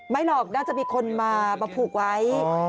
ไม่หรอกน่าจะมีคนมาผูกไว้